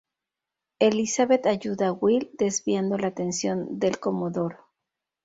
Elizabeth ayuda a Will desviando la atención del Comodoro.